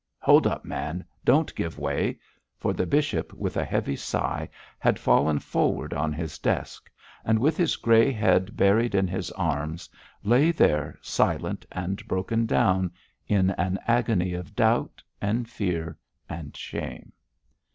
Hold up, man! don't give way,' for the bishop, with a heavy sigh, had fallen forward on his desk, and, with his grey head buried in his arms, lay there silent and broken down in an agony of doubt, and fear and shame.